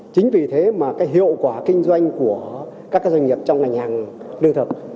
chính vì thế mà cái hiệu quả kinh doanh của các doanh nghiệp trong ngành hàng lương thực